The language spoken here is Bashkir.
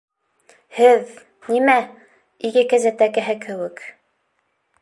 Һеҙ, нимә, ике кәзә тәкәһе кеүек...